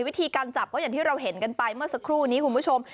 วิธีการจับก็อย่างที่เราเห็นกันไปเมื่อสักครู่นี้คุณผู้ชม